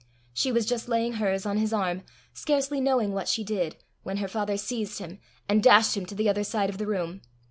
She was just laying hers on his arm, scarcely knowing what she did, when her father seized him, and dashed him to the other side of the room.